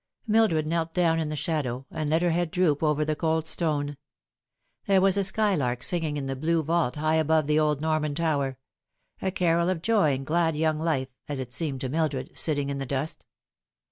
Mildred knelt down in the shadow, and let her head droop over the cold stone. There was a skylark singing in the blue vault high above the old Norman tower a carol of joy and glad young life, as it seemed to Mildred, sitting in the dust.